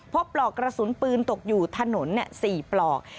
ปลอกกระสุนปืนตกอยู่ถนน๔ปลอก